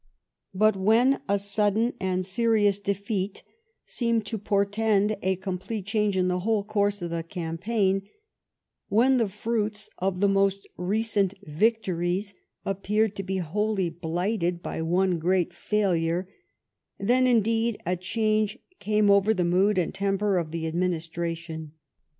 But when a sudden and serious defeat seemed to portend a complete change in the whole course of the campaign ; when the fruits of the most recent victories appeared to be wholly blighted by one great failure, then indeed a change came over the mood and temper of the adminis tration.